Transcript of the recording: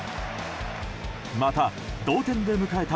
また、同点で迎えた